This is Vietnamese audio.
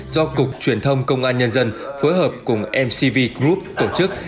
do cục truyền thông công an nhân dân phối hợp cùng mcv group tổ chức